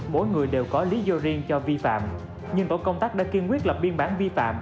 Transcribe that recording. mỗi người đều có lý do riêng cho vi phạm nhưng tổ công tác đã kiên quyết lập biên bản vi phạm